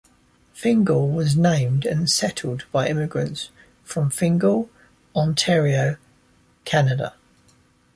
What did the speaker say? Fingal was named and settled by immigrants from Fingal, Ontario, Canada.